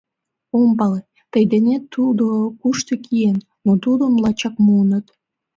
— Ом пале, тый денет тудо кушто киен, но тудым лачак муыныт.